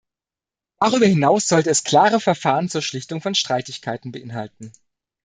Darüber hinaus sollte es klare Verfahren zur Schlichtung von Streitigkeiten beinhalten.